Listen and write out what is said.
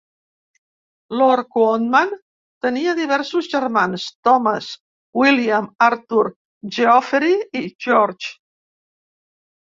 Lord Quondam tenia diversos germans: Thomas, William, Arthur, Geoffery i George.